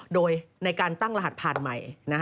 โดยในการตั้งรหัสผ่านใหม่